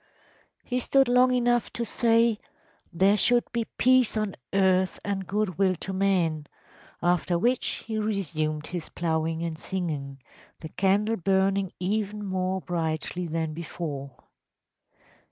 ‚ÄĚ “He stood long enough to say: ‚ÄėThere should be peace on earth and good will to men,’ after which he resumed his ploughing and singing, the candle burning even more brightly than before.